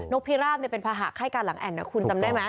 นกพิราบเนี่ยเป็นภาหาไข้กันหลังแอดนะคุณจำได้ไหม